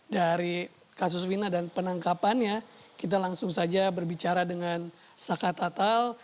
dari kasus wina dan penangkapannya kita langsung saja berbicara dengan saka tatal